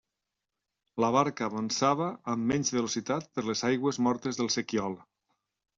La barca avançava amb menys velocitat per les aigües mortes del sequiol.